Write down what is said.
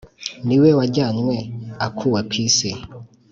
niwe wajyanywe akuwe ku isi.